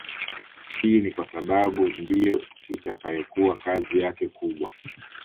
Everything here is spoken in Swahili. Hii ni kwa sababu ndiyo itakayokuwa kazi yake kubwa